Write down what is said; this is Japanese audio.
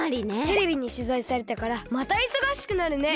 テレビにしゅざいされたからまたいそがしくなるね。